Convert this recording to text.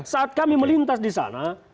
saat kami melintas di sana